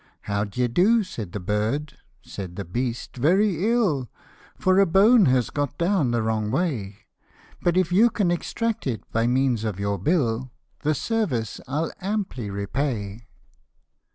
" How d'ye do," said the bird; said the beast, Very ill, For a bone has got down the wrong way ; But if you can extract it by means of your bill, The service I'll amply repay."